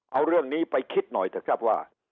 เอาเรื่องนี้ไปคิดหน่อยเถอะครับว่า